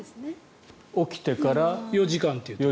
起きてから４時間というと。